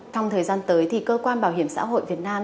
trong thời gian tới thì cơ quan bảo hiểm xã hội việt nam